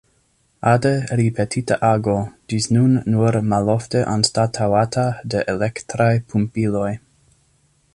Ade ripetita ago, ĝis nun nur malofte anstataŭata de elektraj pumpiloj.